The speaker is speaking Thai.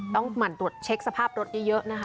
ต้องใหม่ดูดเช็คสภาพรถเยอะนะคะ